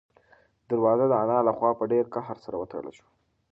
دروازه د انا له خوا په ډېر قهر سره وتړل شوه.